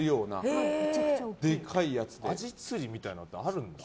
アジ釣りみたいなのってあるんだ。